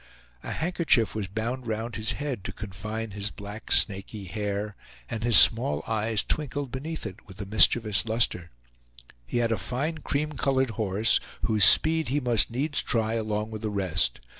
A handkerchief was bound round his head to confine his black snaky hair, and his small eyes twinkled beneath it, with a mischievous luster. He had a fine cream colored horse whose speed he must needs try along with the rest.